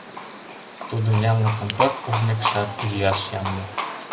Тудо янлыкым пырт ужмекшак лӱяш ямде.